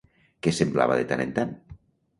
Què semblava de tant en tant?